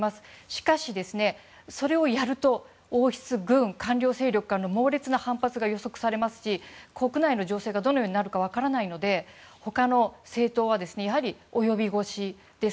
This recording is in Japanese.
しかし、それをやると王室、軍、官僚勢力からの猛烈な反発が予測されますし国内の情勢がどのようになるか分からないので他の政党は、及び腰です。